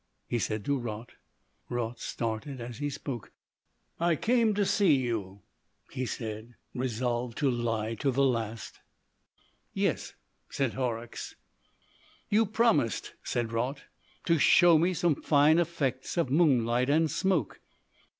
he said to Raut. Raut started as he spoke. "I came to see you," he said, resolved to lie to the last. "Yes," said Horrocks. "You promised," said Raut, "to show me some fine effects of moonlight and smoke."